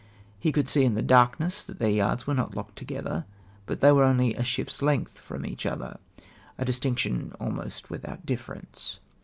He could see in the darkness that their yards were not locked together, but they were only " a ship's length from each other "— a distinction almost without a difference.